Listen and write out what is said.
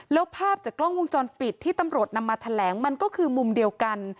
แล้วภาพจากกล้องวงจรปิดที่ตำรวจนำมาแถลงมันก็คือมุมเดียวกัน